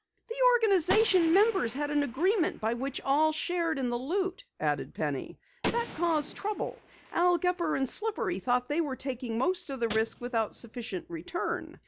"The organization members had an agreement by which all shared in the loot," added Penny. "That caused trouble. Al Gepper and Slippery thought they were taking most of the risk without sufficient return.